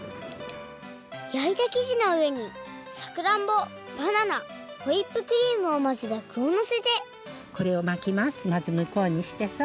やいたきじのうえにさくらんぼバナナホイップクリームをまぜたぐをのせてこれをまきます。